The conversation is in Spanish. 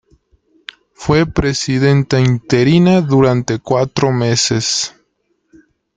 Fue presidenta interina durante cuatro meses.